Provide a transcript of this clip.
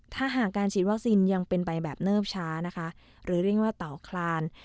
ถ้าหากการฉีดวัคซีนยังเป็นไปแบบเนิบช้านะคะหรือเรียกว่าเต่าคลาน